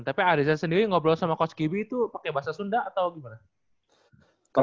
tepi ada yang sendiri ngobrol sama coach givi itu pakai bahasa sunda atau gimana